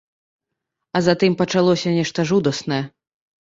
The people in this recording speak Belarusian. А затым пачалося нешта жудаснае.